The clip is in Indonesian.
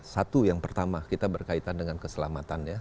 satu yang pertama kita berkaitan dengan keselamatan ya